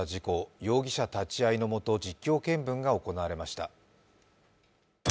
容疑者立ち会いのもと実況見分が行われました。